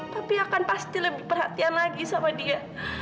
tapi akan pasti lebih perhatian lagi sama dia